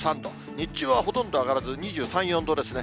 日中はほとんど上がらず２３、４度ですね。